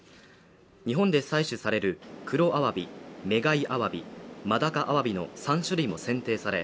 日本で採取されるクロアワビメガイアワビ、マダカアワビの３種類も選定され